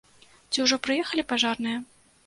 Ці ужо прыехалі пажарныя?